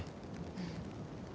うん